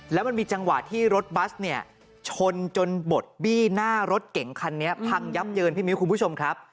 แล้วมันมีจังหวะที่รถบัสเนี่ยชนจนบดบี้หน้ารถเก่งคันนี้พังยับเยินพี่มิ้วคุณผู้ชมครับ